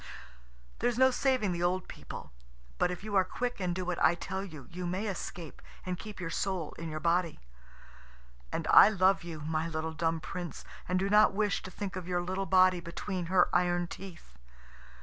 There's no saving the old people; but if you are quick, and do what I tell you, you may escape, and keep your soul in your body. And I love you, my little dumb Prince, and do not wish to think of your little body between her iron teeth.